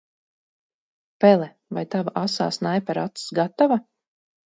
Pele, vai tava asā snaipera acs gatava?